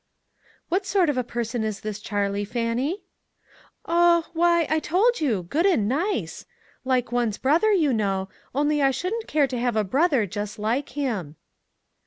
" What sort of a person is this Charlie, Fannie ?"" Oh ! why, I told you ; good and nice ; like one's brother, you know, only I shouldn't care to have a brother just like him."